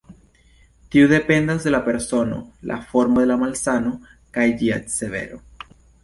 Tiu dependas de la persono, la formo de malsano, kaj ĝia severo.